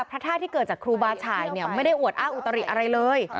พระธาตุที่เกิดจากครูบาฉ่ายไม่ได้อวดอ้างอุตริอะไรเลย